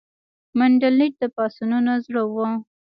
منډلینډ د پاڅونونو زړه وو.